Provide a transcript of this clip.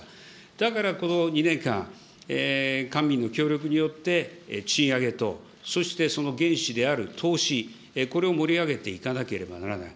だからこの２年間、官民の協力によって賃上げとそしてその原資である投資、これを盛り上げていかなければならない。